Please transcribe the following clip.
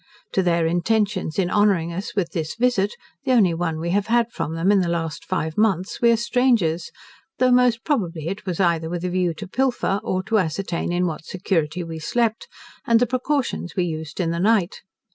To their intentions in honouring us with this visit (the only one we have had from them in the last five months) we are strangers, though most probably it was either with a view to pilfer, or to ascertain in what security we slept, and the precautions we used in the night.